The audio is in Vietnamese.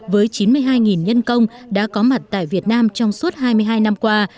với chín mươi hai nhân công đã có mặt tại việt nam trong suốt hai mươi hai năm qua